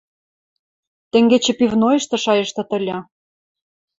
— Тенгечӹ пивнойышты шайыштыт ыльы.